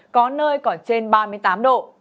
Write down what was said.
có nơi còn trên ba mươi tám độ